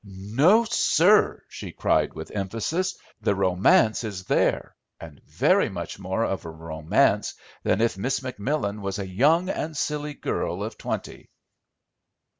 "No, sir," she cried with emphasis; "the romance is there, and very much more of a romance than if Miss McMillan was a young and silly girl of twenty."